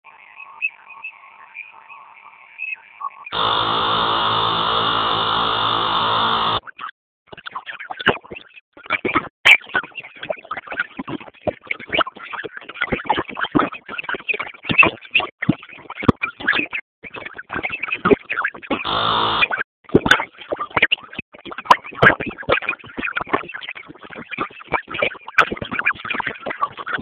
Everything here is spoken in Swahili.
Yaani umekosa maneno ya kusema